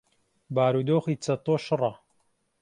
بارودۆخی چەتۆ شڕە.